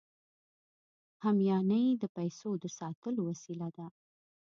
همیانۍ د پیسو د ساتلو وسیله ده